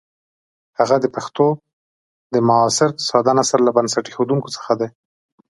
هغه د پښتو د معاصر ساده نثر له بنسټ ایښودونکو څخه دی.